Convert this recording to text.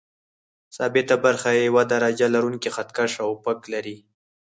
ثابته برخه یې یو درجه لرونکی خط کش او فک لري.